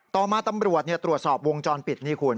ต่อมาตำรวจตรวจสอบวงจรปิดนี่คุณ